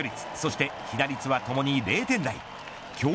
防御率、そして被打率はともに０点台。